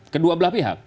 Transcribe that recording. kedua belah pihak